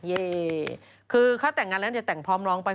เย่คือถ้าแต่งงานแล้วเนี่ยแต่งพร้อมน้องไป